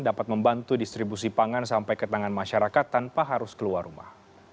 dapat membantu distribusi pangan sampai ke tangan masyarakat tanpa harus keluar rumah